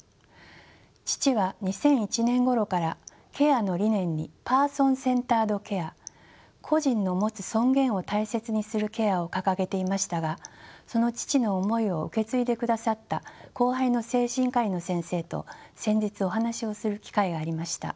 父は２００１年ごろからケアの理念にパーソン・センタード・ケア個人の持つ尊厳を大切にするケアを掲げていましたがその父の思いを受け継いでくださった後輩の精神科医の先生と先日お話をする機会がありました。